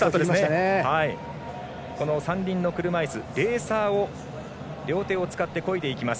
三輪の車いす、レーサーを両手を使って、こいでいきます。